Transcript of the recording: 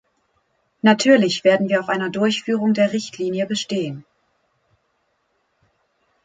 Natürlich werden wir auf einer Durchführung der Richtlinie bestehen.